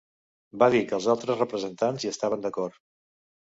Va dir que els altres representants hi estaven d'acord.